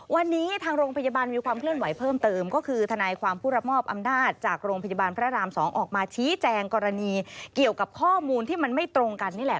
วันนี้ทางโรงพยาบาลมีความเคลื่อนไหวเพิ่มเติมก็คือทนายความผู้รับมอบอำนาจจากโรงพยาบาลพระราม๒ออกมาชี้แจงกรณีเกี่ยวกับข้อมูลที่มันไม่ตรงกันนี่แหละ